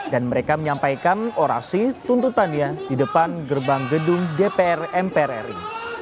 dan mereka menyampaikan orasi tuntutannya di depan gerbang gedung dpr mpr ri